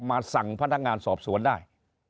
มาสั่งพนักงานสอบสวนได้